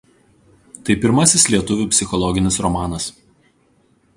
Tai pirmasis lietuvių psichologinis romanas.